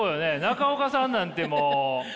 中岡さんなんてもう。